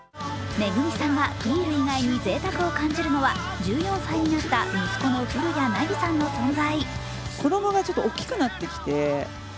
ＭＥＧＵＭＩさんはビール以外にぜいたくを感じるのは１４歳になった息子の降谷凪さんの存在。